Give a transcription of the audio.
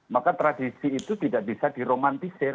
maka tradisi itu tidak bisa diromantisir